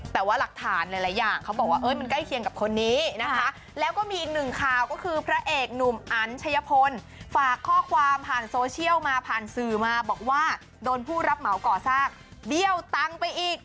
แต่ว่าหลักฐานหลายอย่างเขาบอกว่ามันใกล้เคียงกับคนนี้นะคะแล้วก็มีอีกหนึ่งข่าวก็คือพระเอกหนุ่มอันชัยพลฝากข้อความผ่านโซเชียลมาผ่านสื่อมาบอกว่าโดนผู้รับเหมาก่อสร้างเบี้ยวตังค์ไปอีก